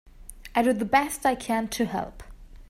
I do the best I can to help.